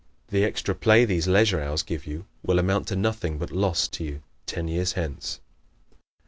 The extra play these leisure hours give you will amount to nothing but loss to you ten years hence.